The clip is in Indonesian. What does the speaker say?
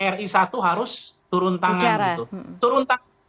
ri satu harus turun tangan gitu